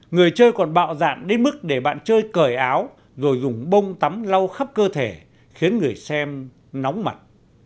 người chơi còn bạo dạng đến mức để bạn chơi cởi áo rồi dùng bông tắm lau khắp cơ thể khiến người xem nóng mặt